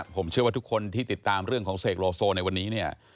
ผมเชื่อว่าทุกคนที่ติดตามเรื่องของเสกโลโซในวันนี้เนี่ย